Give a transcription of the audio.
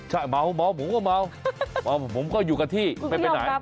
ใช่เมาผมก็เมาผมก็อยู่กับที่ไม่ไปไหน